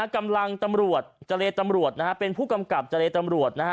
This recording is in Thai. กำลังจารย์ตำรวจเป็นผู้กำกับจารย์ตำรวจ